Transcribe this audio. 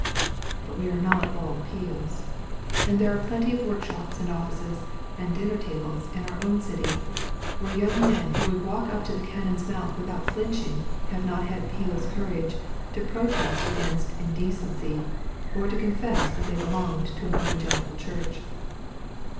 But we are not all Peels. And there are plenty of workshops and offices and dinner tables in our own city, where young men who would walk up to the cannon's mouth without flinching have not had Peel's courage to protest against indecency or to confess that they belonged to an evangelical church.